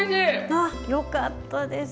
ああよかったです。